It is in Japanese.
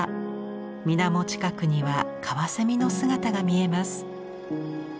水面近くにはカワセミの姿が見えます。